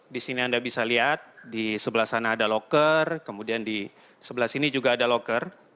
di sini anda bisa lihat di sebelah sana ada loker kemudian di sebelah sini juga ada loker